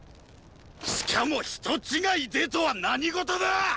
しかも人違いでとは何事だァ！！